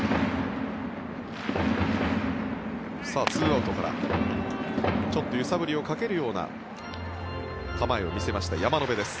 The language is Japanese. ２アウトからちょっと揺さぶりをかけるような構えを見せました山野辺です。